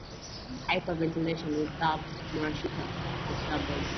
"Hyper Ventilation" with Dub Murashita of Dubwise.